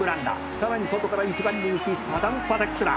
「さらに外から１番人気サダムパテックだ」